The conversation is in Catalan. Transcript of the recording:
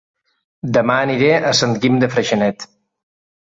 Dema aniré a Sant Guim de Freixenet